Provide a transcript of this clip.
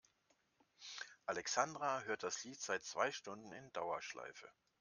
Alexandra hört das Lied seit zwei Stunden in Dauerschleife.